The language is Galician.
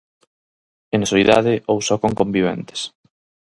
En soidade ou só con conviventes.